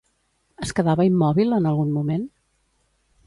Es quedava immòbil, en algun moment?